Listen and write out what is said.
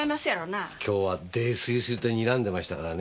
今日は泥酔すると睨んでましたからね。